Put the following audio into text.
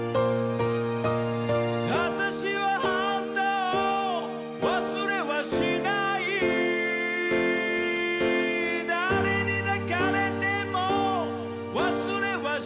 「あたしはあんたを忘れはしない」「誰に抱かれても忘れはしない」